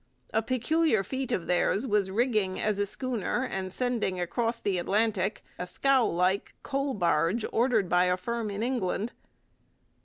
A peculiar feat of theirs was rigging as a schooner and sending across the Atlantic a scow like coal barge ordered by a firm in England.